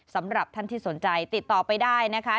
สำหรับท่านที่สนใจติดต่อไปได้นะคะ